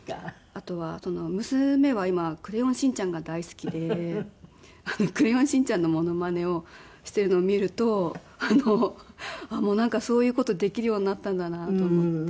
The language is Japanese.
あとは娘は今『クレヨンしんちゃん』が大好きで『クレヨンしんちゃん』のモノマネをしているのを見るともうなんかそういう事できるようになったんだなと思って。